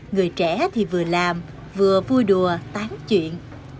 người trẻ thì vừa làm vừa vui đùa tán chuyện